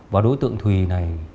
và đối tượng thùy này